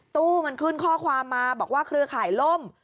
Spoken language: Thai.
ตู้มันขึ้นข้อความมาบอกว่าเครือข่ายล่ม